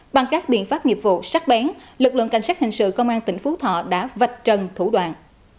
bằng các biện pháp nghiệp vụ sắc bén lực lượng cảnh sát hình sự công an tỉnh phú thọ đã vạch trần thủ đoạn